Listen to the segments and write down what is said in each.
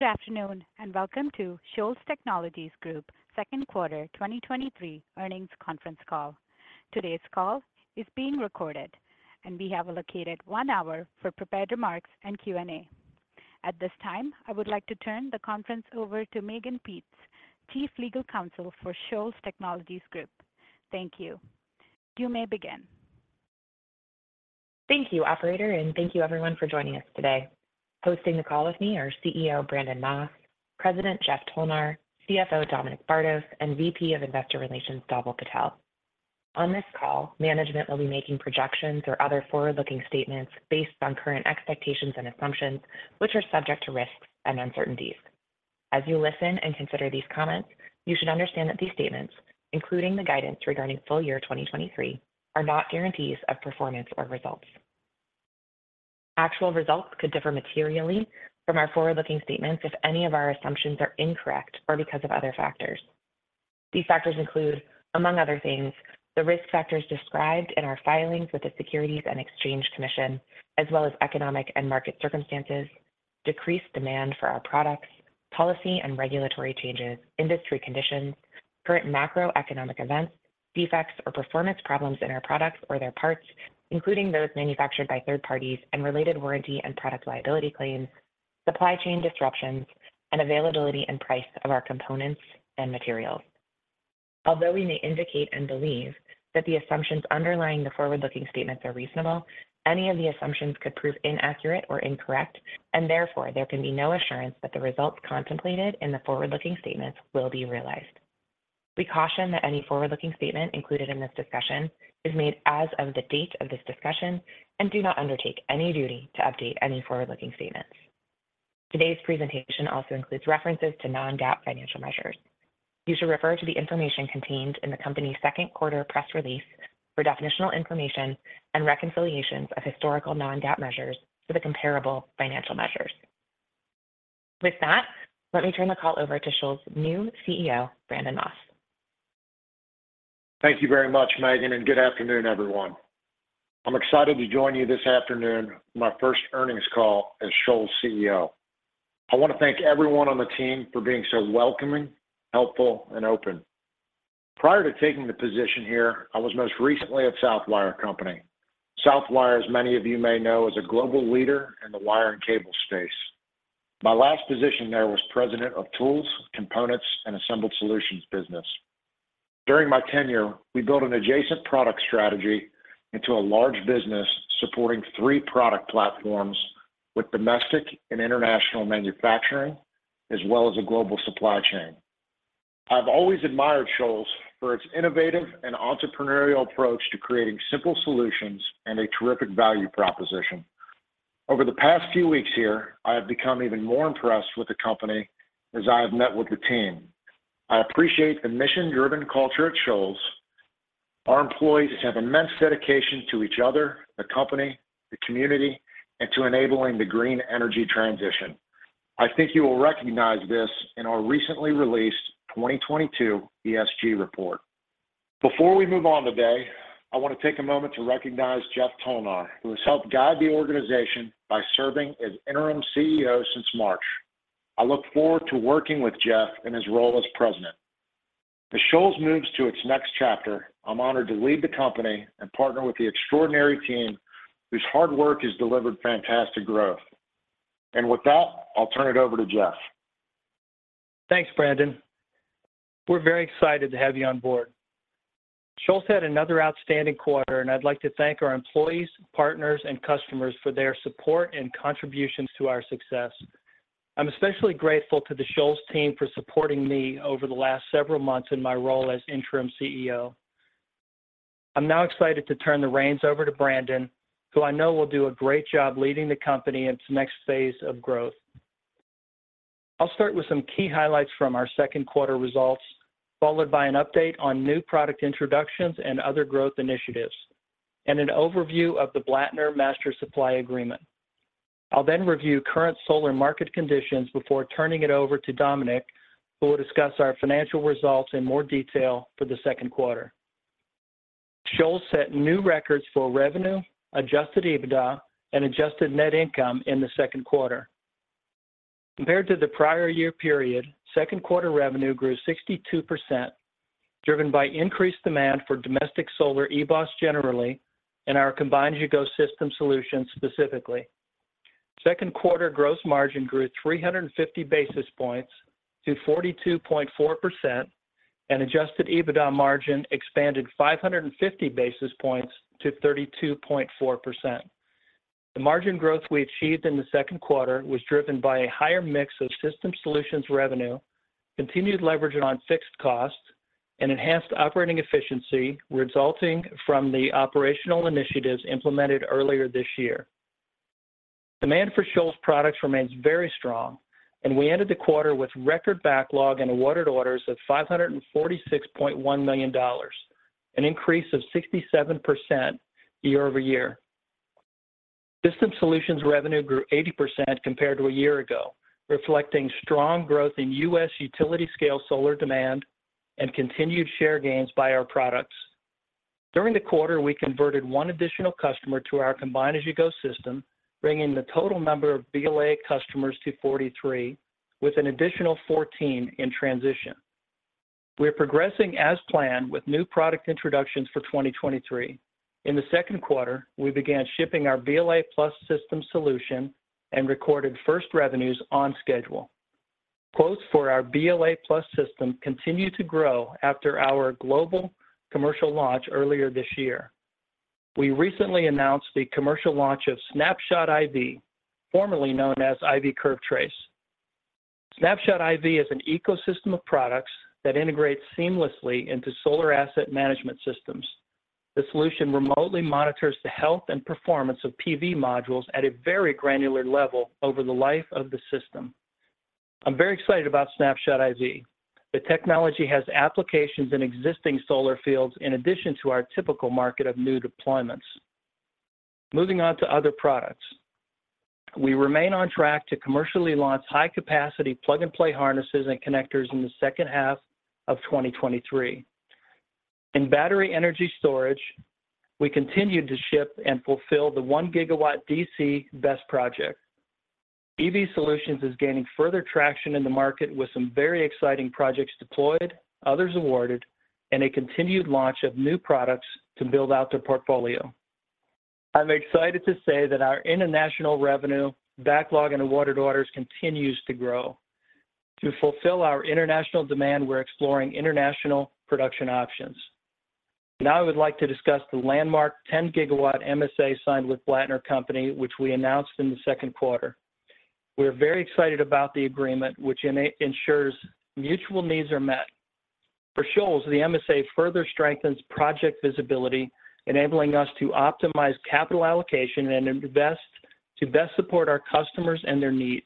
Good afternoon, and welcome to Shoals Technologies Group Second Quarter 2023 Earnings Conference Call. Today's call is being recorded, and we have allocated one hour for prepared remarks and Q&A. At this time, I would like to turn the conference over to Mehgan Peetz, Chief Legal Counsel for Shoals Technologies Group. Thank you. You may begin. Thank you, operator, and thank you everyone for joining us today. Hosting the call with me are CEO, Brandon Moss; President, Jeff Tolnar; CFO, Dominic Bardos; and VP of Investor Relations, Dhaval Patel. On this call, management will be making projections or other forward-looking statements based on current expectations and assumptions, which are subject to risks and uncertainties. As you listen and consider these comments, you should understand that these statements, including the guidance regarding full year 2023, are not guarantees of performance or results. Actual results could differ materially from our forward-looking statements if any of our assumptions are incorrect or because of other factors. These factors include, among other things, the risk factors described in our filings with the Securities and Exchange Commission, as well as economic and market circumstances, decreased demand for our products, policy and regulatory changes, industry conditions, current macroeconomic events, defects or performance problems in our products or their parts, including those manufactured by third parties, and related warranty and product liability claims, supply chain disruptions, and availability and price of our components and materials. Although we may indicate and believe that the assumptions underlying the forward-looking statements are reasonable, any of the assumptions could prove inaccurate or incorrect, and therefore, there can be no assurance that the results contemplated in the forward-looking statements will be realized. We caution that any forward-looking statement included in this discussion is made as of the date of this discussion and do not undertake any duty to update any forward-looking statements. Today's presentation also includes references to non-GAAP financial measures. You should refer to the information contained in the company's second quarter press release for definitional information and reconciliations of historical non-GAAP measures to the comparable financial measures. With that, let me turn the call over to Shoals' new CEO, Brandon Moss. Thank you very much, Megan, and good afternoon, everyone. I'm excited to join you this afternoon, my first earnings call as Shoals' CEO. I want to thank everyone on the team for being so welcoming, helpful, and open. Prior to taking the position here, I was most recently at Southwire Company. Southwire, as many of you may know, is a global leader in the wire and cable space. My last position there was President of Tools, Components, and Assembled Solutions. During my tenure, we built an adjacent product strategy into a large business supporting three product platforms with domestic and international manufacturing, as well as a global supply chain. I've always admired Shoals for its innovative and entrepreneurial approach to creating simple solutions and a terrific value proposition. Over the past few weeks here, I have become even more impressed with the company as I have met with the team. I appreciate the mission-driven culture at Shoals. Our employees have immense dedication to each other, the company, the community, and to enabling the green energy transition. I think you will recognize this in our recently released 2022 ESG report. Before we move on today, I want to take a moment to recognize Jeff Tolnar, who has helped guide the organization by serving as interim CEO since March. I look forward to working with Jeff in his role as President. As Shoals moves to its next chapter, I'm honored to lead the company and partner with the extraordinary team whose hard work has delivered fantastic growth. With that, I'll turn it over to Jeff. Thanks, Brandon. We're very excited to have you on board. Shoals had another outstanding quarter, and I'd like to thank our employees, partners, and customers for their support and contributions to our success. I'm especially grateful to the Shoals team for supporting me over the last several months in my role as interim CEO. I'm now excited to turn the reins over to Brandon, who I know will do a great job leading the company in its next phase of growth. I'll start with some key highlights from our second quarter results, followed by an update on new product introductions and other growth initiatives, and an overview of the Blattner master supply agreement. I'll review current solar market conditions before turning it over to Dominic, who will discuss our financial results in more detail for the second quarter. Shoals set new records for revenue, adjusted EBITDA, and adjusted net income in the second quarter. Compared to the prior year period, second quarter revenue grew 62%, driven by increased demand for domestic solar EBOS generally, and our combined YouGo System Solutions specifically. Second quarter gross margin grew 350 basis points to 42.4%, and adjusted EBITDA margin expanded 550 basis points to 32.4%. The margin growth we achieved in the second quarter was driven by a higher mix of System Solutions revenue, continued leveraging on fixed costs, and enhanced operating efficiency, resulting from the operational initiatives implemented earlier this year. Demand for Shoals products remains very strong, and we ended the quarter with record backlog and awarded orders of $546.1 million, an increase of 67% year-over-year. System Solutions revenue grew 80% compared to a year ago, reflecting strong growth in U.S. utility scale solar demand and continued share gains by our products. During the quarter, we converted one additional customer to our combine-as-you-go system, bringing the total number of BLA customers to 43, with an additional 14 in transition. We're progressing as planned with new product introductions for 2023. In the second quarter, we began shipping our BLA+ System Solution and recorded first revenues on schedule. Quotes for our BLA+ system continued to grow after our global commercial launch earlier this year. We recently announced the commercial launch of Snapshot I-V, formerly known as I-V Curve Trace. Snapshot I-V is an ecosystem of products that integrates seamlessly into solar asset management systems. The solution remotely monitors the health and performance of PV modules at a very granular level over the life of the system. I'm very excited about Snapshot I-V. The technology has applications in existing solar fields in addition to our typical market of new deployments. Moving on to other products. We remain on track to commercially launch high-capacity plug-and-play harnesses and connectors in the second half of 2023. In battery energy storage, we continued to ship and fulfill the 1 gigawatt DC BESS project. EV Solutions is gaining further traction in the market with some very exciting projects deployed, others awarded, and a continued launch of new products to build out their portfolio. I'm excited to say that our international revenue, backlog, and awarded orders continues to grow. To fulfill our international demand, we're exploring international production options. Now, I would like to discuss the landmark 10 gigawatt MSA signed with Blattner Company, which we announced in the second quarter. We are very excited about the agreement, which ensures mutual needs are met. For Shoals, the MSA further strengthens project visibility, enabling us to optimize capital allocation and invest to best support our customers and their needs.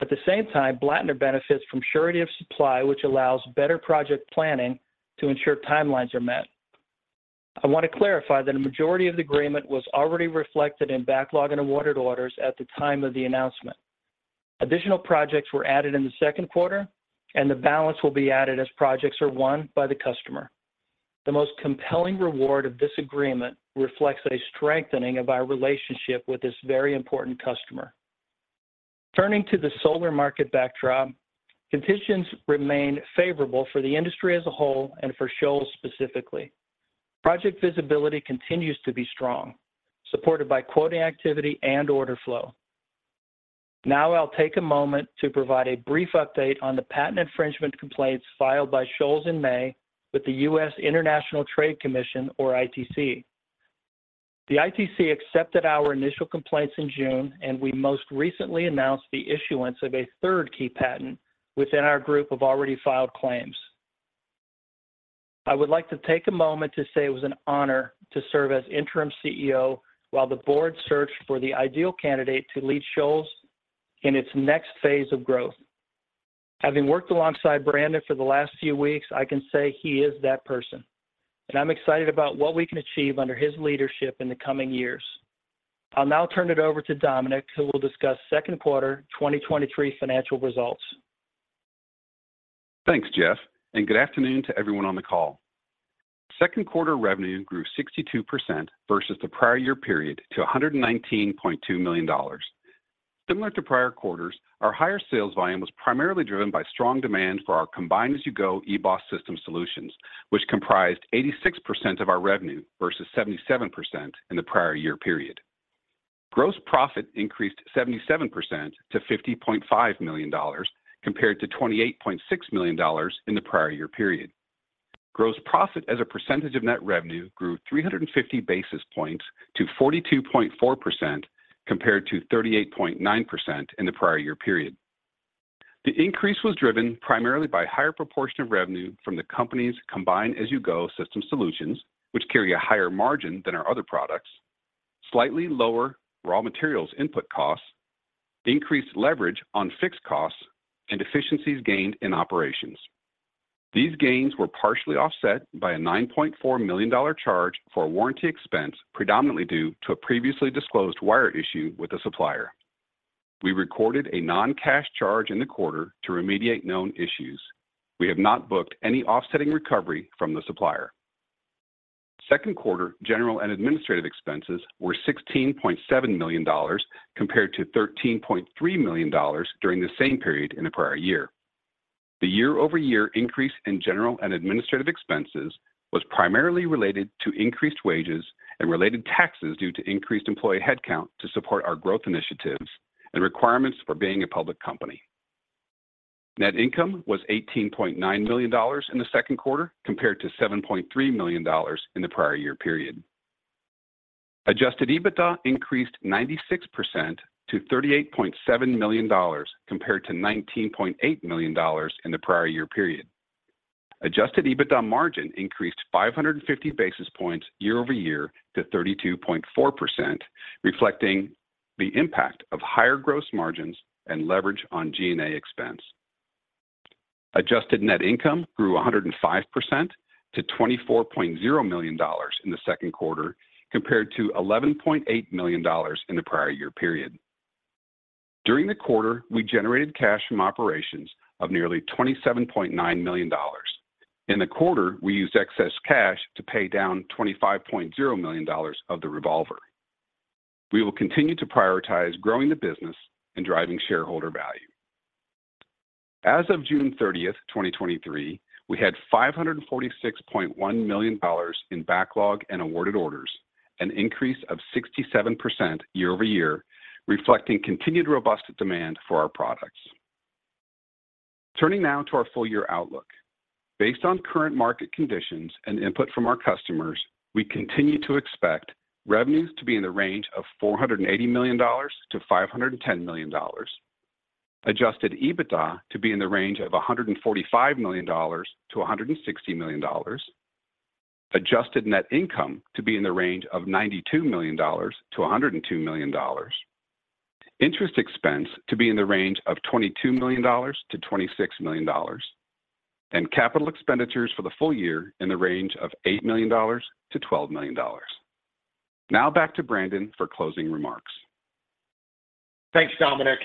At the same time, Blattner benefits from surety of supply, which allows better project planning to ensure timelines are met. I want to clarify that a majority of the agreement was already reflected in backlog and awarded orders at the time of the announcement. Additional projects were added in the second quarter, and the balance will be added as projects are won by the customer. The most compelling reward of this agreement reflects a strengthening of our relationship with this very important customer. Turning to the solar market backdrop, conditions remain favorable for the industry as a whole and for Shoals specifically. Project visibility continues to be strong, supported by quoting activity and order flow. Now, I'll take a moment to provide a brief update on the patent infringement complaints filed by Shoals in May with the U.S. International Trade Commission, or ITC. The ITC accepted our initial complaints in June, and we most recently announced the issuance of a third key patent within our group of already filed claims. I would like to take a moment to say it was an honor to serve as interim CEO while the board searched for the ideal candidate to lead Shoals in its next phase of growth. Having worked alongside Brandon for the last few weeks, I can say he is that person, and I'm excited about what we can achieve under his leadership in the coming years. I'll now turn it over to Dominic, who will discuss second quarter 2023 financial results. Thanks, Jeff. Good afternoon to everyone on the call. Second quarter revenue grew 62% versus the prior year period to $119.2 million. Similar to prior quarters, our higher sales volume was primarily driven by strong demand for our combine-as-you-go EBOS System Solutions, which comprised 86% of our revenue versus 77% in the prior year period. Gross profit increased 77% to $50.5 million, compared to $28.6 million in the prior year period. Gross profit as a percentage of net revenue grew 350 basis points to 42.4%, compared to 38.9% in the prior year period. The increase was driven primarily by a higher proportion of revenue from the company's Combine As You Go System Solutions, which carry a higher margin than our other products, slightly lower raw materials input costs, increased leverage on fixed costs, and efficiencies gained in operations. These gains were partially offset by a $9.4 million charge for a warranty expense, predominantly due to a previously disclosed wire issue with a supplier. We recorded a non-cash charge in the quarter to remediate known issues. We have not booked any offsetting recovery from the supplier. Second quarter general and administrative expenses were $16.7 million, compared to $13.3 million during the same period in the prior year. The year-over-year increase in general and administrative expenses was primarily related to increased wages and related taxes due to increased employee headcount to support our growth initiatives and requirements for being a public company. Net income was $18.9 million in the second quarter, compared to $7.3 million in the prior year period. Adjusted EBITDA increased 96% to $38.7 million, compared to $19.8 million in the prior year period. Adjusted EBITDA margin increased 550 basis points year-over-year to 32.4%, reflecting the impact of higher gross margins and leverage on G&A expense. Adjusted net income grew 105% to $24.0 million in the second quarter, compared to $11.8 million in the prior year period... During the quarter, we generated cash from operations of nearly $27.9 million. In the quarter, we used excess cash to pay down $25.0 million of the revolver. We will continue to prioritize growing the business and driving shareholder value. As of June 30th, 2023, we had $546.1 million in backlog and awarded orders, an increase of 67% year-over-year, reflecting continued robust demand for our products. Turning now to our full year outlook. Based on current market conditions and input from our customers, we continue to expect revenues to be in the range of $480 million-$510 million. Adjusted EBITDA to be in the range of $145 million-$160 million. Adjusted net income to be in the range of $92 million-$102 million. Interest expense to be in the range of $22 million-$26 million, and capital expenditures for the full year in the range of $8 million-$12 million. Now, back to Brandon for closing remarks. Thanks, Dominic.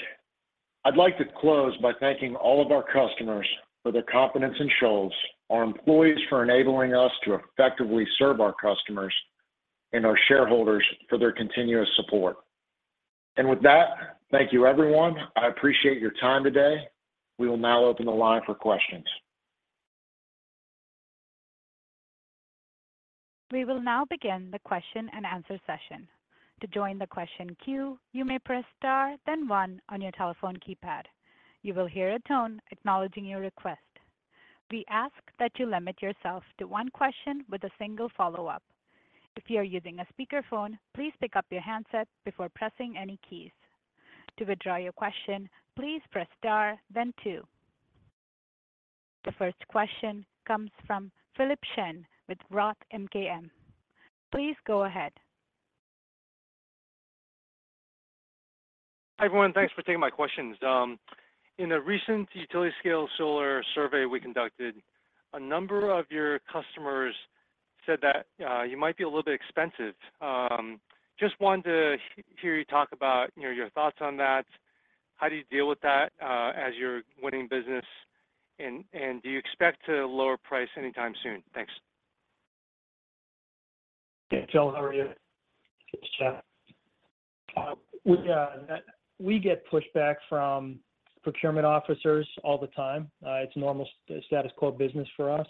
I'd like to close by thanking all of our customers for their confidence in Shoals, our employees for enabling us to effectively serve our customers, and our shareholders for their continuous support. With that, thank you, everyone. I appreciate your time today. We will now open the line for questions. We will now begin the question and answer session. To join the question queue, you may press Star, then one on your telephone keypad. You will hear a tone acknowledging your request. We ask that you limit yourself to one question with a single follow-up. If you are using a speakerphone, please pick up your handset before pressing any keys. To withdraw your question, please press Star, then two. The first question comes from Philip Shen with Roth MKM. Please go ahead. Hi, everyone. Thanks for taking my questions. In a recent utility-scale solar survey we conducted, a number of your customers said that you might be a little bit expensive. Just wanted to hear you talk about, you know, your thoughts on that. How do you deal with that as you're winning business? Do you expect to lower price anytime soon? Thanks. Hey, Phil, how are you? It's Jeff. We get pushback from procurement officers all the time. It's normal status quo business for us.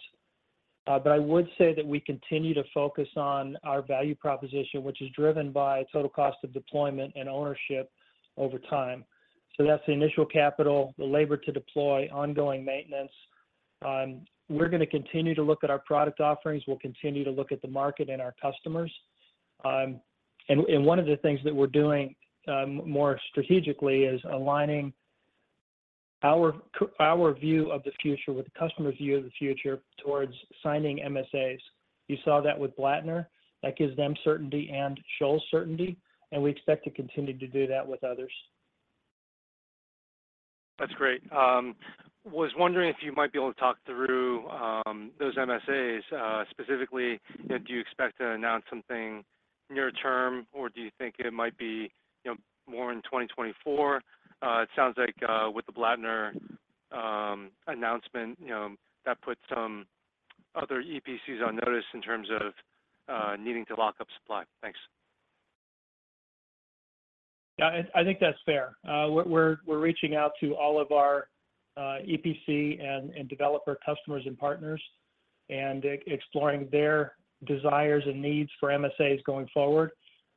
I would say that we continue to focus on our value proposition, which is driven by total cost of deployment and ownership over time. That's the initial capital, the labor to deploy, ongoing maintenance. We're gonna continue to look at our product offerings. We'll continue to look at the market and our customers. One of the things that we're doing more strategically is aligning our view of the future with the customer's view of the future towards signing MSAs. You saw that with Blattner. That gives them certainty and Shoals certainty, and we expect to continue to do that with others. That's great. Was wondering if you might be able to talk through those MSAs, specifically, do you expect to announce something near term, or do you think it might be, you know, more in 2024? It sounds like, with the Blattner announcement, you know, that puts some other EPCs on notice in terms of needing to lock up supply. Thanks. Yeah, I, I think that's fair. We're, we're, we're reaching out to all of our EPC and, and developer customers and partners, and exploring their desires and needs for MSAs going forward.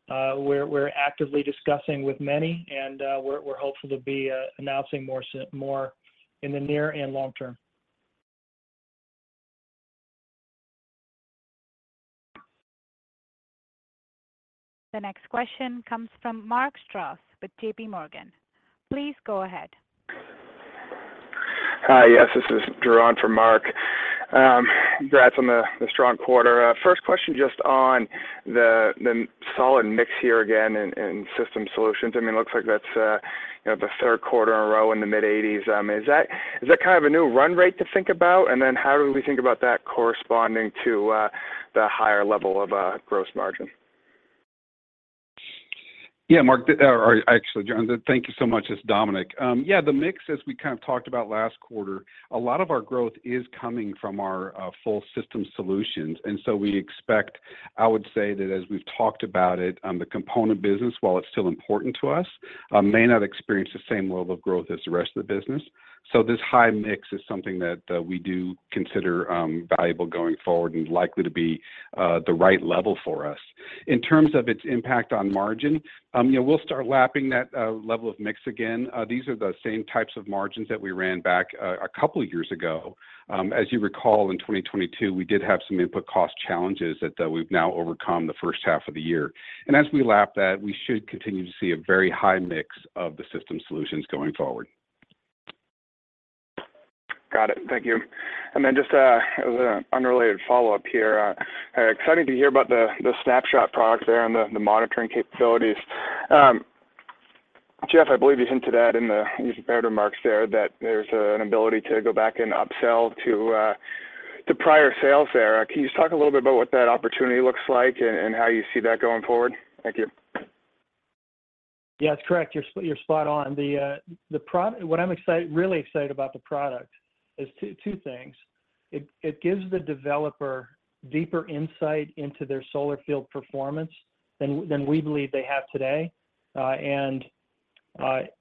We're, we're actively discussing with many, and we're, we're hopeful to be announcing more so, more in the near and long term. The next question comes from Mark Strouse with J.P. Morgan. Please go ahead. Hi, yes, this is Geron for Mark. Congrats on the strong quarter. First question, just on the solid mix here again in System Solutions. I mean, it looks like that's, you know, the third quarter in a row in the mid-80s. Is that kind of a new run rate to think about? How do we think about that corresponding to the higher level of gross margin? Mark, or actually, Geron, thank you so much. It's Dominic. The mix, as we kind of talked about last quarter, a lot of our growth is coming from our full System Solutions, so we expect... I would say that as we've talked about it, the component business, while it's still important to us, may not experience the same level of growth as the rest of the business. This high mix is something that we do consider valuable going forward and likely to be the right level for us. In terms of its impact on margin, you know, we'll start lapping that level of mix again. These are the same types of margins that we ran back a couple of years ago. As you recall, in 2022, we did have some input cost challenges that we've now overcome the first half of the year. As we lap that, we should continue to see a very high mix of the System Solutions going forward. Got it. Thank you. Then just as an unrelated follow-up here, excited to hear about the Snapshot products there and the monitoring capabilities. Jeff, I believe you hinted that in the prepared remarks there, that there's an ability to go back and upsell to the prior sales era. Can you just talk a little bit about what that opportunity looks like and, and how you see that going forward? Thank you. Yeah, it's correct. You're, you're spot on. The prod- what I'm excited- really excited about the product is 2, 2 things. It, it gives the developer deeper insight into their solar field performance than, than we believe they have today.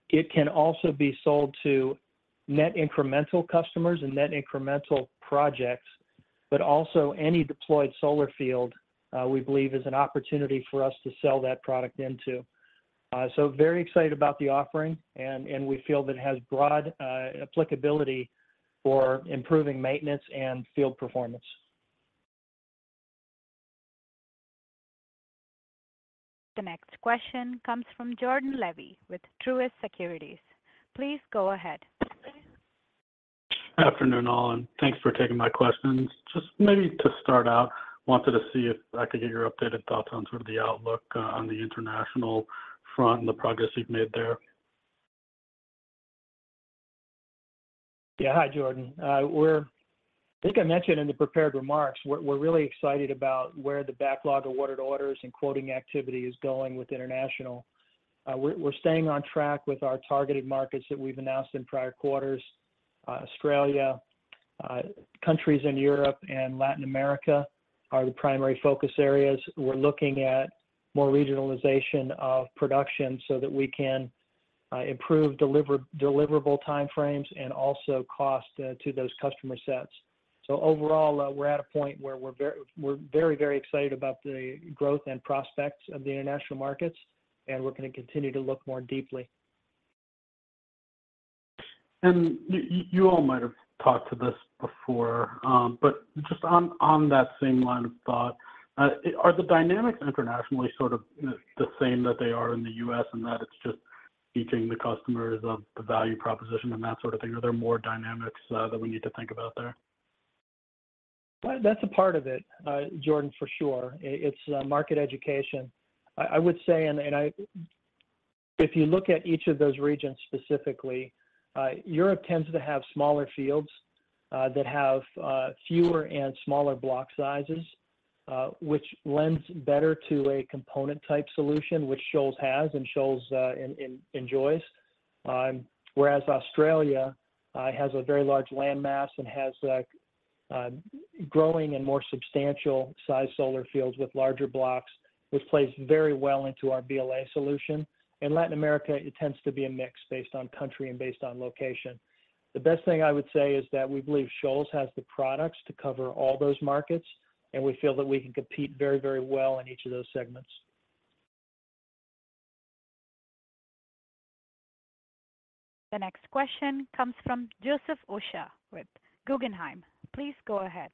It can also be sold to net incremental customers and net incremental projects, but also any deployed solar field, we believe is an opportunity for us to sell that product into. Very excited about the offering, and, and we feel that it has broad applicability for improving maintenance and field performance. The next question comes from Jordan Levy with Truist Securities. Please go ahead. Afternoon, all, and thanks for taking my questions. Just maybe to start out, wanted to see if I could get your updated thoughts on sort of the outlook on the international front and the progress you've made there? Yeah. Hi, Jordan. I think I mentioned in the prepared remarks, we're really excited about where the backlog awarded orders and quoting activity is going with international. We're staying on track with our targeted markets that we've announced in prior quarters. Australia, countries in Europe and Latin America are the primary focus areas. We're looking at more regionalization of production so that we can improve deliverable time frames and also cost to those customer sets. Overall, we're at a point where we're very, very excited about the growth and prospects of the international markets, and we're gonna continue to look more deeply. You all might have talked to this before, but just on that same line of thought, are the dynamics internationally sort of the same, that they are in the U.S. and that it's just teaching the customers of the value proposition and that sort of thing, or are there more dynamics that we need to think about there? Well, that's a part of it, Jordan, for sure. It, it's market education. I, I would say, and if you look at each of those regions, specifically, Europe tends to have smaller fields that have fewer and smaller block sizes, which lends better to a component type solution, which Shoals has and Shoals and enjoys. Whereas Australia has a very large landmass and has growing and more substantial sized solar fields with larger blocks, which plays very well into our BLA solution. In Latin America, it tends to be a mix based on country and based on location. The best thing I would say is that we believe Shoals has the products to cover all those markets, and we feel that we can compete very, very well in each of those segments. The next question comes from Joseph Osha with Guggenheim. Please go ahead.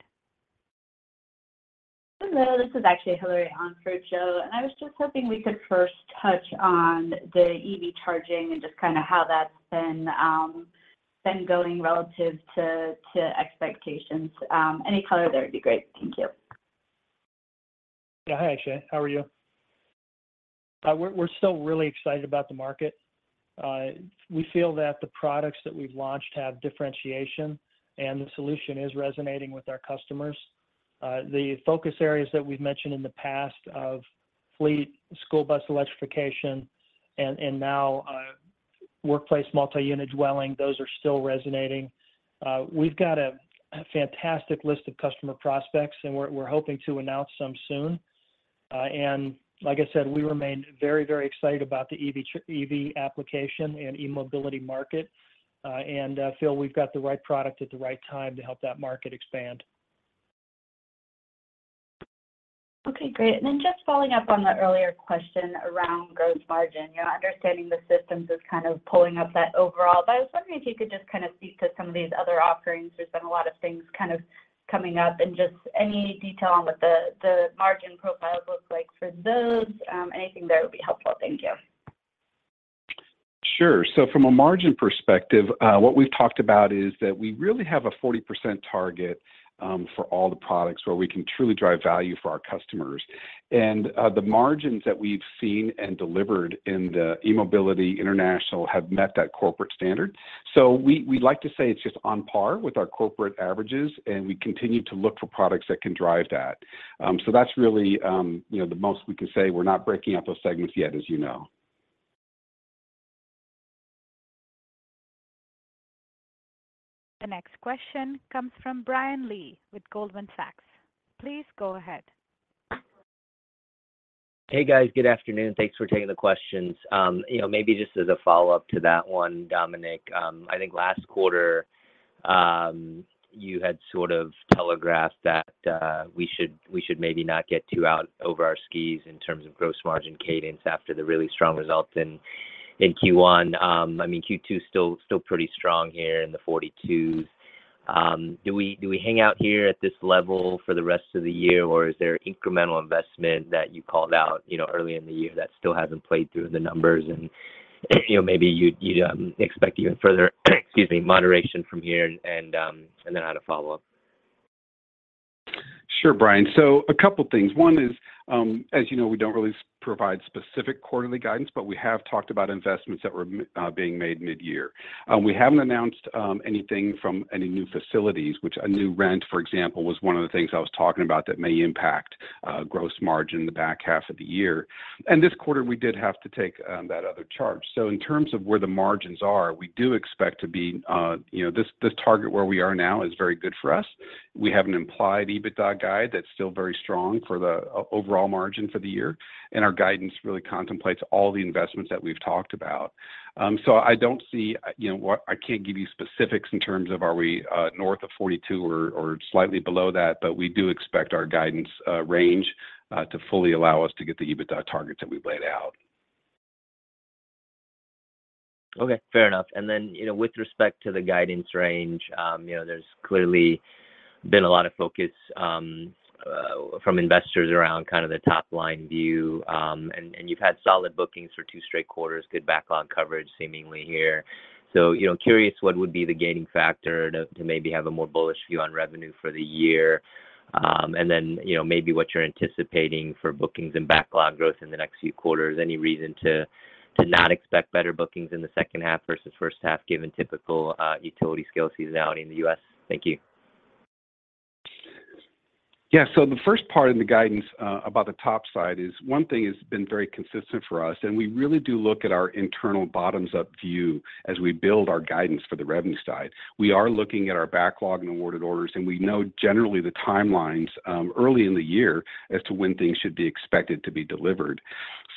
Hello, this is actually Hillary Cauley, and I was just hoping we could first touch on the EV charging and just kinda how that's been, been going relative to, to expectations. Any color there would be great. Thank you. Yeah. Hi, Hillary. How are you? We're, we're still really excited about the market. We feel that the products that we've launched have differentiation, and the solution is resonating with our customers. The focus areas that we've mentioned in the past of fleet, school bus electrification, and now, workplace, multi-unit dwelling, those are still resonating. We've got a, a fantastic list of customer prospects, and we're, we're hoping to announce some soon. Like I said, we remain very, very excited about the EV application and e-mobility market, and feel we've got the right product at the right time to help that market expand. Okay, great. Then just following up on the earlier question around gross margin, you know, understanding the systems is kind of pulling up that overall, but I was wondering if you could just kind of speak to some of these other offerings. There's been a lot of things kind of coming up, and just any detail on what the margin profiles look like for those. Anything there would be helpful. Thank you. Sure. From a margin perspective, what we've talked about is that we really have a 40% target for all the products where we can truly drive value for our customers. The margins that we've seen and delivered in the e-mobility international have met that corporate standard. We like to say it's just on par with our corporate averages, and we continue to look for products that can drive that. That's really, you know, the most we can say. We're not breaking out those segments yet, as you know. The next question comes from Brian Lee with Goldman Sachs. Please go ahead. Hey, guys. Good afternoon. Thanks for taking the questions. You know, maybe just as a follow-up to that one, Dominic, I think last quarter, you had sort of telegraphed that, we should maybe not get too out over our skis in terms of gross margin cadence after the really strong results in, in Q1. I mean, Q2 is still, still pretty strong here in the 42s. Do we hang out here at this level for the rest of the year, or is there incremental investment that you called out, you know, early in the year that still hasn't played through in the numbers? You know, maybe you'd expect even further, excuse me, moderation from here. And then I had a follow-up. Sure, Brian. A couple things. One is, as you know, we don't really provide specific quarterly guidance, but we have talked about investments that were being made mid-year. We haven't announced anything from any new facilities, which a new rent, for example, was one of the things I was talking about that may impact gross margin in the back half of the year. This quarter, we did have to take that other charge. In terms of where the margins are, we do expect to be, you know, this, this target where we are now is very good for us. We have an implied EBITDA guide that's still very strong for the overall margin for the year, and our guidance really contemplates all the investments that we've talked about. I don't see, you know what? I can't give you specifics in terms of are we north of 42 or slightly below that, but we do expect our guidance range to fully allow us to get the EBITDA targets that we've laid out. Okay, fair enough. Then, you know, with respect to the guidance range, you know, there's clearly been a lot of focus, from investors around kind of the top-line view. You've had solid bookings for 2 straight quarters, good backlog coverage seemingly here. You know, curious, what would be the gaining factor to, to maybe have a more bullish view on revenue for the year? Then, you know, maybe what you're anticipating for bookings and backlog growth in the next few quarters. Any reason to, to not expect better bookings in the second half versus first half, given typical, utility scale seasonality in the U.S.? Thank you. Yeah. The first part of the guidance, about the top side is, one thing has been very consistent for us, and we really do look at our internal bottoms-up view as we build our guidance for the revenue side. We are looking at our backlog and awarded orders, and we know generally the timelines, early in the year as to when things should be expected to be delivered.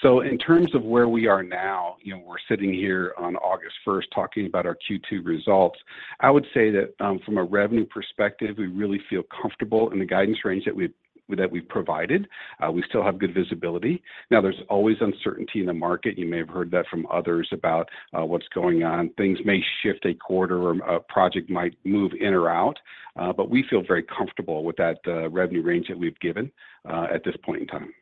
In terms of where we are now, you know, we're sitting here on August first, talking about our Q2 results. I would say that, from a revenue perspective, we really feel comfortable in the guidance range that we've, that we've provided. We still have good visibility. Now, there's always uncertainty in the market. You may have heard that from others about what's going on. Things may shift a quarter or a, a project might move in or out, but we feel very comfortable with that revenue range that we've given at this point in time.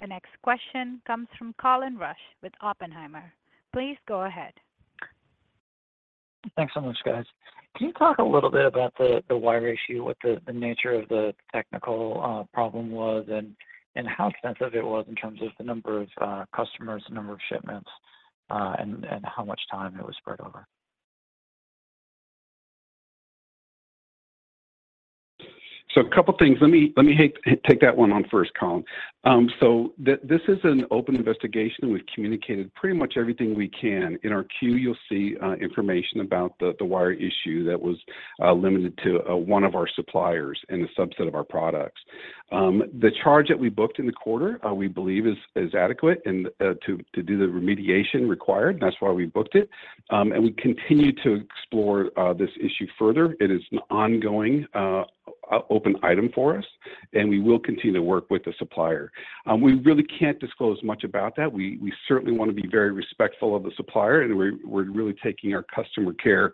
The next question comes from Colin Rusch with Oppenheimer. Please go ahead. Thanks so much, guys. Can you talk a little bit about the, the wire issue, what the, the nature of the technical problem was, and how extensive it was in terms of the number of customers, the number of shipments, and how much time it was spread over? A couple things. Let me, let me take, take that one on first, Colin. This is an open investigation. We've communicated pretty much everything we can. In our Q, you'll see information about the, the wire issue that was limited to one of our suppliers and a subset of our products. The charge that we booked in the quarter, we believe is, is adequate and to, to do the remediation required. That's why we booked it. We continue to explore this issue further. It is an ongoing, open item for us, and we will continue to work with the supplier. We really can't disclose much about that. We, we certainly want to be very respectful of the supplier, and we're, we're really taking our customer care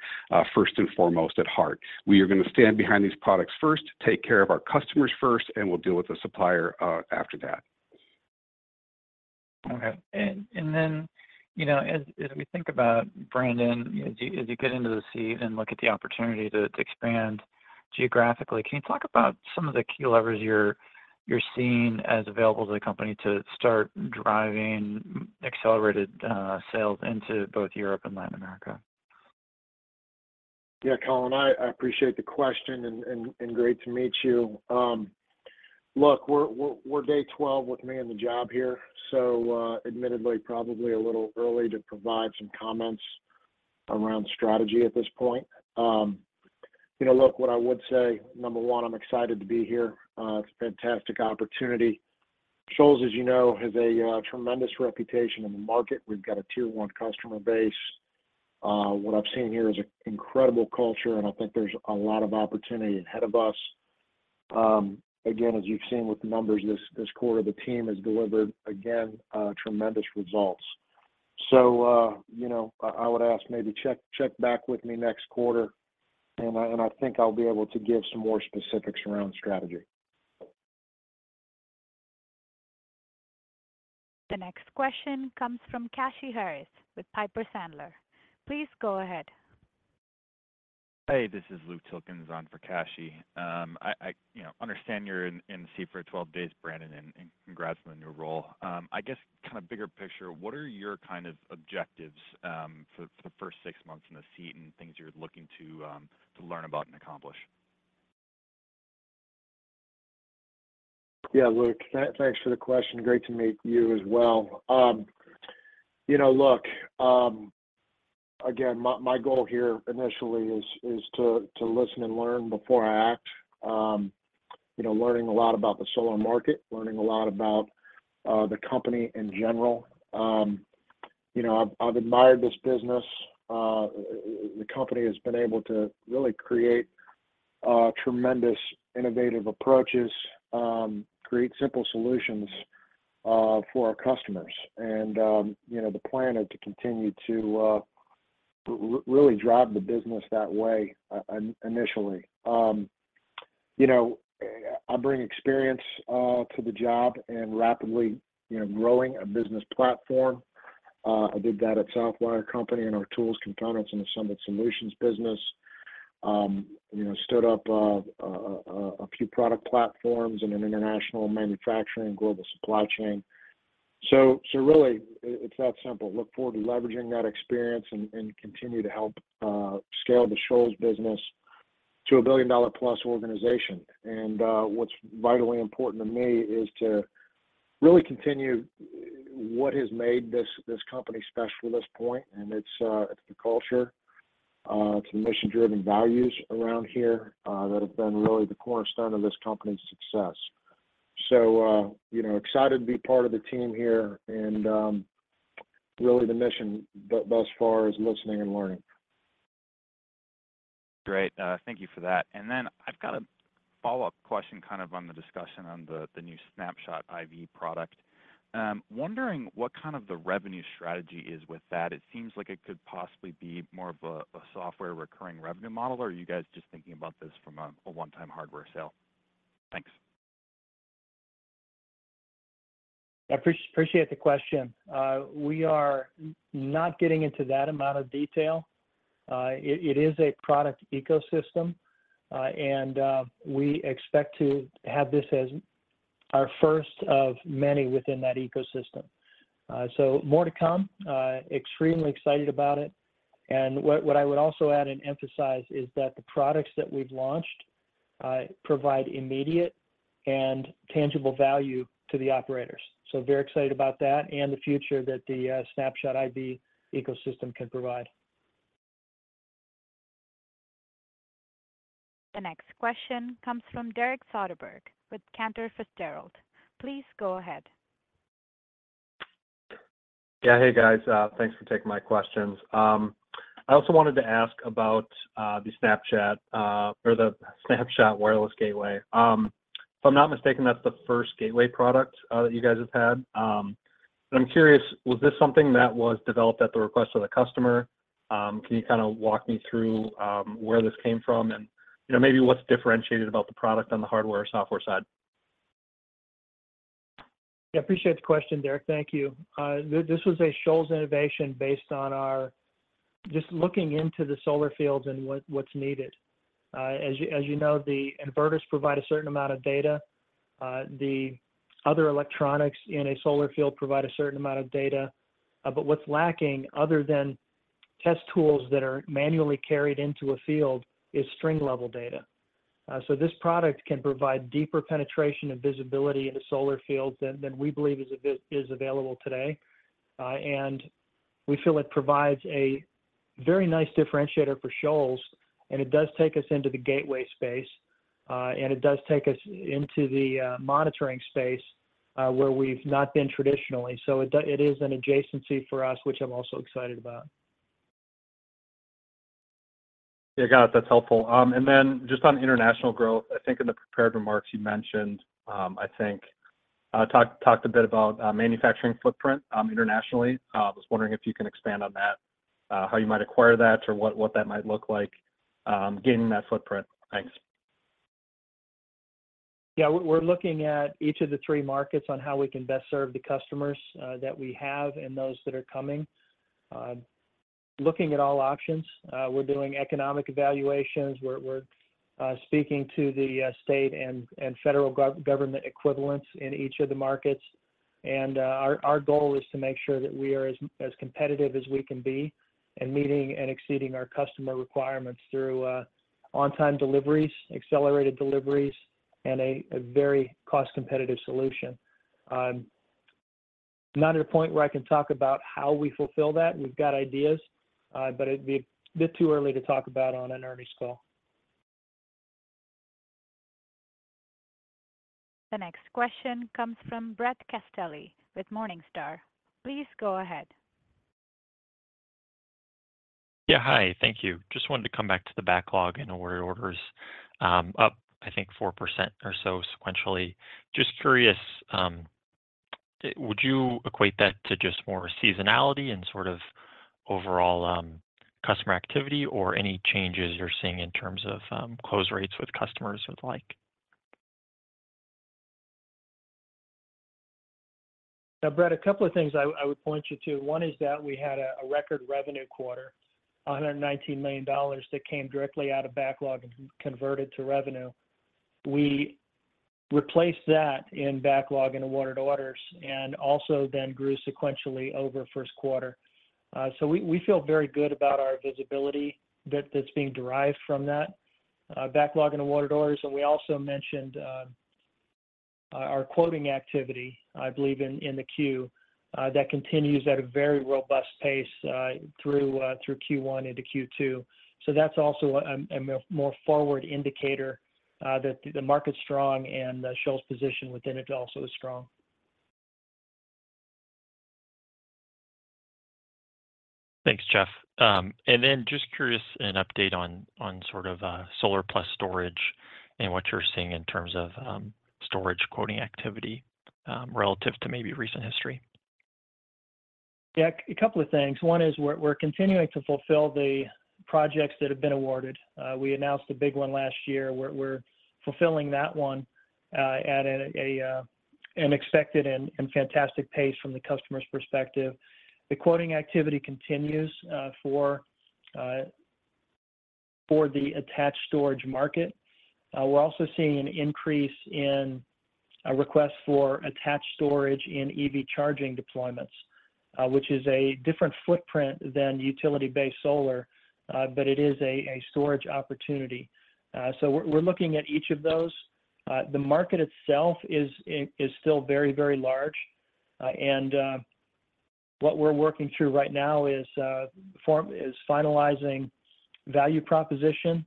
first and foremost at heart. We are going to stand behind these products first, take care of our customers first, and we'll deal with the supplier, after that. Okay. And, and then, you know, as, as we think about, Brandon, you know, as you, as you get into the seat and look at the opportunity to, to expand geographically, can you talk about some of the key levers you're, you're seeing as available to the company to start driving accelerated sales into both Europe and Latin America? Yeah, Colin, I, I appreciate the question and, and, and great to meet you. Look, we're, we're, we're day 12 with me on the job here, so, admittedly, probably a little early to provide some comments around strategy at this point. You know, look, what I would say, number one, I'm excited to be here. It's a fantastic opportunity. Shoals, as you know, has a tremendous reputation in the market. We've got a Tier 1 customer base. What I've seen here is an incredible culture, and I think there's a lot of opportunity ahead of us. Again, as you've seen with the numbers this, this quarter, the team has delivered, again, tremendous results. You know, I, I would ask maybe check, check back with me next quarter, and I, and I think I'll be able to give some more specifics around strategy. The next question comes from Kashy Harrison with Piper Sandler. Please go ahead. Hey, this is Luke Tilkens on for Kashy. I, I, you know, understand you're in, in seat for 12 days, Brandon, and, and congrats on the new role. I guess kind of bigger picture, what are your kind of objectives, for the first six months in the seat and things you're looking to, to learn about and accomplish? Yeah, Luke, thanks for the question. Great to meet you as well. You know, look, again, my, my goal here initially is, is to, to listen and learn before I act. You know, learning a lot about the solar market, learning a lot about the company in general. You know, I've, I've admired this business. The company has been able to really create tremendous innovative approaches, create simple solutions for our customers. You know, the plan is to continue to really drive the business that way initially. You know, I, I bring experience to the job in rapidly, you know, growing a business platform. I did that at Southwire Company in our Tools, Components, and Assembled Solutions business. You know, stood up a few product platforms in an international manufacturing global supply chain. It's that simple. Look forward to leveraging that experience and continue to help scale the Shoals business to a billion-dollar-plus organization. What's vitally important to me is to really continue what has made this company special at this point, and it's the culture, it's the mission-driven values around here that have been really the cornerstone of this company's success. You know, excited to be part of the team here, and really the mission, but thus far, is listening and learning. Great. Thank you for that. I've got a follow-up question, kind of on the discussion on the, the new Snapshot I-V product. Wondering what kind of the revenue strategy is with that? It seems like it could possibly be more of a, a software recurring revenue model, or are you guys just thinking about this from a, a one-time hardware sale? Thanks. I appreciate the question. We are not getting into that amount of detail. It, it is a product ecosystem, and we expect to have this as our first of many within that ecosystem. More to come. Extremely excited about it. What, what I would also add and emphasize is that the products that we've launched, provide immediate and tangible value to the operators. Very excited about that and the future that the Snapshot I-V ecosystem can provide. The next question comes from Derek Soderberg with Cantor Fitzgerald. Please go ahead. Yeah. Hey, guys, thanks for taking my questions. I also wanted to ask about the Snapshot, or the Snapshot wireless gateway. If I'm not mistaken, that's the first gateway product that you guys have had. I'm curious, was this something that was developed at the request of the customer? Can you kinda walk me through where this came from, and, you know, maybe what's differentiated about the product on the hardware or software side? I appreciate the question, Derek. Thank you. This, this was a Shoals innovation based on our... just looking into the solar fields and what, what's needed. As you, as you know, the inverters provide a certain amount of data. The other electronics in a solar field provide a certain amount of data. What's lacking, other than test tools that are manually carried into a field, is string-level data. This product can provide deeper penetration and visibility in the solar fields than, than we believe is available today. We feel it provides a very nice differentiator for Shoals, and it does take us into the gateway space, and it does take us into the monitoring space, where we've not been traditionally. It is an adjacency for us, which I'm also excited about. Yeah, got it. That's helpful. Then just on international growth, I think in the prepared remarks you mentioned, I think, talked a bit about manufacturing footprint internationally. I was wondering if you can expand on that, how you might acquire that or what, what that might look like, getting that footprint. Thanks. Yeah, we're, we're looking at each of the three markets on how we can best serve the customers that we have and those that are coming. Looking at all options. We're doing economic evaluations, we're, we're speaking to the state and federal government equivalents in each of the markets. Our, our goal is to make sure that we are as, as competitive as we can be in meeting and exceeding our customer requirements through on-time deliveries, accelerated deliveries, and a very cost-competitive solution. I'm not at a point where I can talk about how we fulfill that. We've got ideas, but it'd be a bit too early to talk about on an earnings call. The next question comes from Brett Castelli with Morningstar. Please go ahead. Yeah, hi. Thank you. Just wanted to come back to the backlog and where order's up, I think, 4% or so sequentially. Just curious, would you equate that to just more seasonality and sort of overall customer activity, or any changes you're seeing in terms of close rates with customers would like? Brett, a couple of things I, I would point you to. One is that we had a, a record revenue quarter, $119 million that came directly out of backlog converted to revenue. We replaced that in backlog into ordered orders, and also then grew sequentially over first quarter. We, we feel very good about our visibility that, that's being derived from that, backlog into ordered orders, and we also mentioned our quoting activity, I believe, in, in the queue. That continues at a very robust pace, through Q1 into Q2. That's also a, a more forward indicator, that the, the market's strong and Shoals' position within it also is strong. Thanks, Jeff. Just curious, an update on, on sort of, solar plus storage and what you're seeing in terms of, storage quoting activity, relative to maybe recent history? Yeah, a couple of things. One is we're, we're continuing to fulfill the projects that have been awarded. We announced a big one last year, we're, we're fulfilling that one at an expected and fantastic pace from the customer's perspective. The quoting activity continues for for the attached storage market. We're also seeing an increase in a request for attached storage in EV charging deployments, which is a different footprint than utility-based solar, but it is a storage opportunity. We're, we're looking at each of those. The market itself is, is, is still very, very large. What we're working through right now is finalizing value proposition.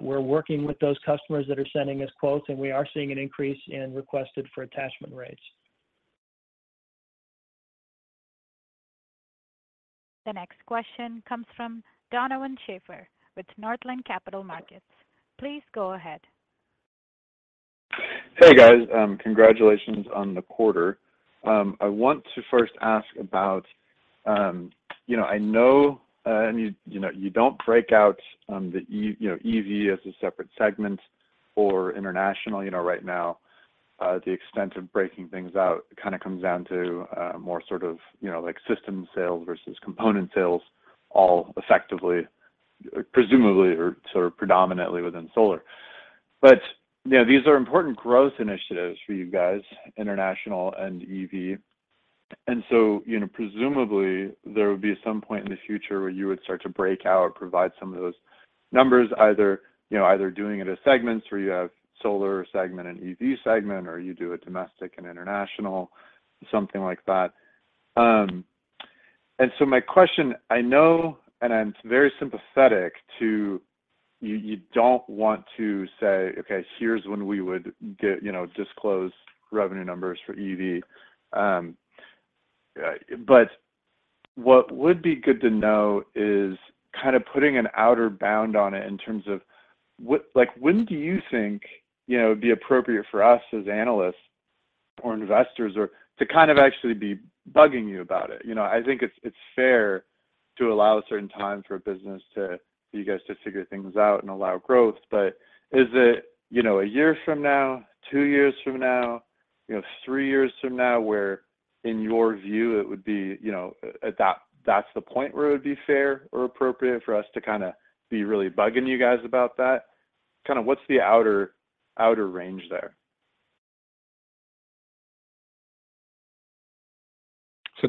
We're working with those customers that are sending us quotes, we are seeing an increase in requested for attachment rates. The next question comes from Donovan Schafer with Northland Capital Markets. Please go ahead. Hey, guys, congratulations on the quarter. I want to first ask about, you know, I know, and you, you know, you don't break out the EV as a separate segment or international. You know, right now, the extent of breaking things out kind of comes down to more sort of, you know, like, system sales versus component sales, all effectively, presumably or sort of predominantly within solar. You know, these are important growth initiatives for you guys, international and EV. So, you know, presumably, there would be some point in the future where you would start to break out, provide some of those numbers, either, you know, either doing it as segments, where you have solar segment and EV segment, or you do a domestic and international, something like that. My question, I know, and I'm very sympathetic to you, you don't want to say, "Okay, here's when we would get... you know, disclose revenue numbers for EV." But what would be good to know is kind of putting an outer bound on it in terms of like, when do you think, you know, it would be appropriate for us, as analysts or investors, or to kind of actually be bugging you about it? You know, I think it's, it's fair to allow a certain time for a business you guys to figure things out and allow growth, but is it, you know, a year from now, two years from now, you know, three years from now, where in your view, it would be, you know, at that's the point where it would be fair or appropriate for us to kinda be really bugging you guys about that? Kinda what's the outer, outer range there?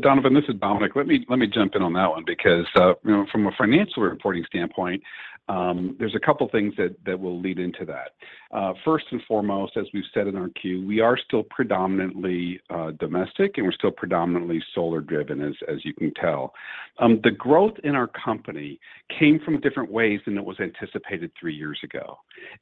Donovan, this is Dominic. Let me, let me jump in on that one because, you know, from a financial reporting standpoint, there's a couple things that, that will lead into that. First and foremost, as we've said in our Q, we are still predominantly domestic, and we're still predominantly solar-driven, as, as you can tell. The growth in our company came from different ways than it was anticipated 3 years ago.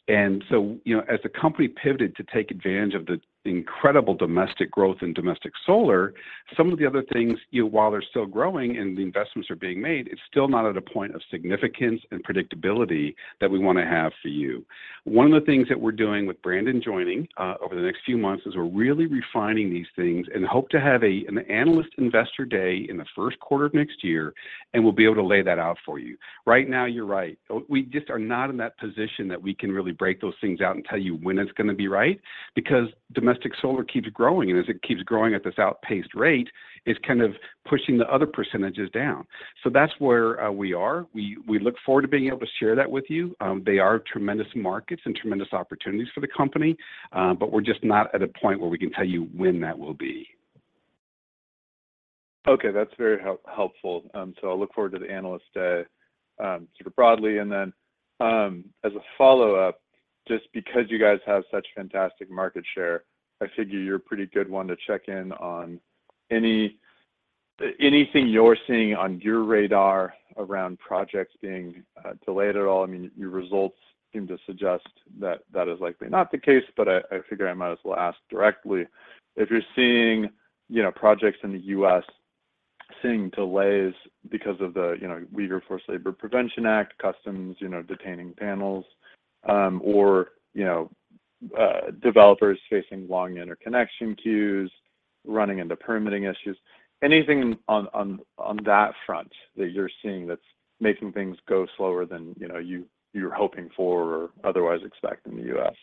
You know, as the company pivoted to take advantage of the incredible domestic growth in domestic solar, some of the other things, you know, while they're still growing and the investments are being made, it's still not at a point of significance and predictability that we wanna have for you. One of the things that we're doing with Brandon joining over the next few months, is we're really refining these things and hope to have an Analyst Investor Day in the first quarter of next year, and we'll be able to lay that out for you. Right now, you're right. We just are not in that position that we can really break those things out and tell you when it's gonna be right, because domestic solar keeps growing, and as it keeps growing at this outpaced rate, it's kind of pushing the other percentages down. That's where we are. We, we look forward to being able to share that with you. They are tremendous markets and tremendous opportunities for the company, but we're just not at a point where we can tell you when that will be. Okay, that's very helpful. I look forward to the Analyst Day, sort of broadly. As a follow-up, just because you guys have such fantastic market share, I figure you're a pretty good one to check in on anything you're seeing on your radar around projects being delayed at all. I mean, your results seem to suggest that that is likely not the case, but I figure I might as well ask directly. If you're seeing, you know, projects in the U.S. seeing delays because of the, you know, Uyghur Forced Labor Prevention Act, customs, you know, detaining panels, or, you know, developers facing long interconnection queues, running into permitting issues. Anything on that front that you're seeing that's making things go slower than, you know, you're hoping for or otherwise expect in the U.S.?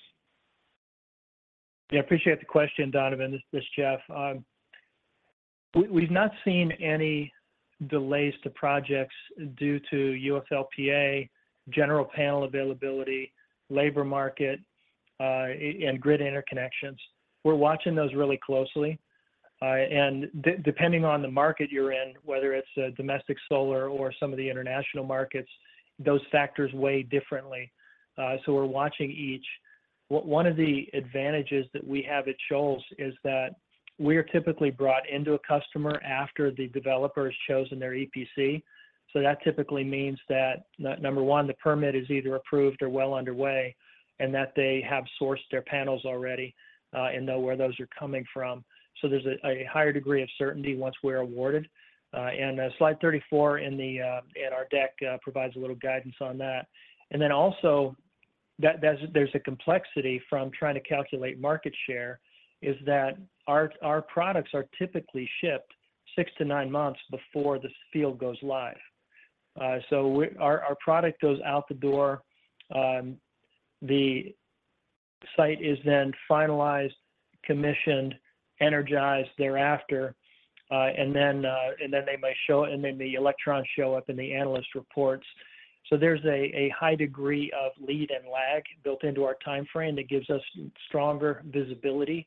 Yeah, I appreciate the question, Donovan. This is Jeff. We've not seen any delays to projects due to UFLPA, general panel availability, labor market, and grid interconnections. We're watching those really closely, and depending on the market you're in, whether it's domestic, solar, or some of the international markets, those factors weigh differently. We're watching each. One, one of the advantages that we have at Shoals is that we are typically brought into a customer after the developer has chosen their EPC. That typically means that, number one, the permit is either approved or well underway, and that they have sourced their panels already, and know where those are coming from. There's a higher degree of certainty once we're awarded. Slide 34 in our deck provides a little guidance on that. There's a complexity from trying to calculate market share, is that our products are typically shipped 6-9 months before this field goes live. Our product goes out the door, the site is then finalized, commissioned, energized thereafter, and then, and then they may show, and then the electrons show up in the analyst reports. There's a high degree of lead and lag built into our timeframe that gives us stronger visibility,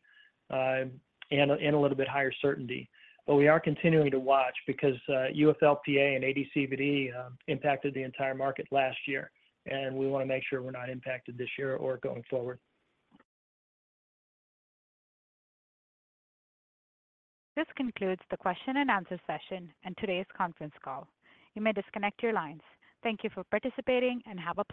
little bit higher certainty. We are continuing to watch because UFLPA and ADCVD impacted the entire market last year, and we wanna make sure we're not impacted this year or going forward. This concludes the question and answer session and today's conference call. You may disconnect your lines. Thank you for participating, and have a great day.